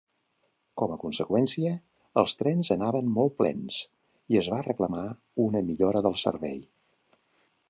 Com a conseqüència, els trens anaven molt plens i es va reclamar una millora del servei.